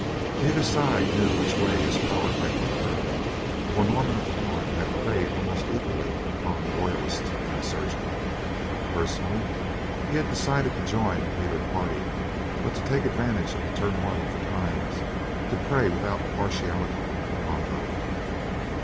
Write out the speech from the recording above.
Neither side knew which way his power might be turned, for Norman of Torn had preyed almost equally upon royalist and insurgent. Personally, he had decided to join neither party, but to take advantage of the turmoil of the times to prey without partiality upon both.